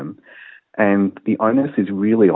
dan kelebihan itu adalah